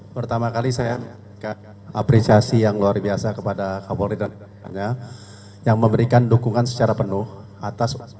pertama kali saya apresiasi yang luar biasa kepada kapolri dan yang memberikan dukungan secara penuh atas